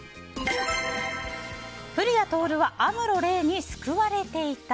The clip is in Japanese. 古谷徹はアムロ・レイに救われていた。